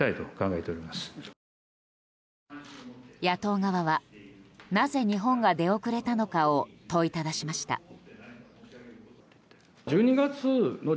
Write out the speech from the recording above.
野党側はなぜ日本が出遅れたのかを問いただしました。